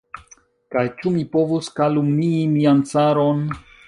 Kaj ĉu mi povus kalumnii mian caron?